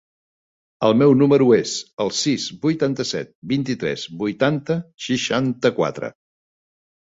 El meu número es el sis, vuitanta-set, vint-i-tres, vuitanta, seixanta-quatre.